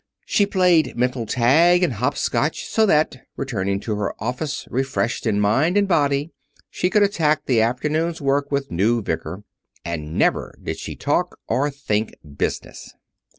She played mental tag and hop scotch, so that, returning to her office refreshed in mind and body, she could attack the afternoon's work with new vigor. And never did she talk or think business.